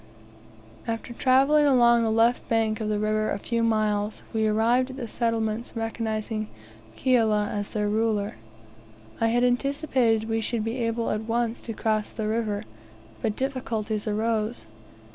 After travelling along the left bank of the river a few miles, we arrived at the settlements recognizing Kiala as their ruler. I had anticipated we should be able at once to cross the river, but difficulties arose.